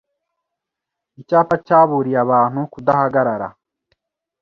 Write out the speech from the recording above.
Icyapa cyaburiye abantu kudahagarara.